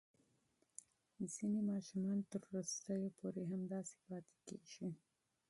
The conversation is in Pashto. ځینې ماشومان تر وروستیو پورې همداسې پاتې کېږي.